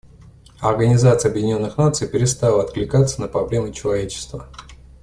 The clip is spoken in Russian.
Организация Объединенных Наций перестала откликаться на проблемы человечества.